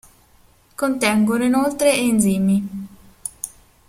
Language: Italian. Contengono inoltre enzimi.